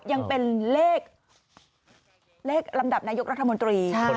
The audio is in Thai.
ยังเป็นเลขลำดับนายกรัฐมนตรี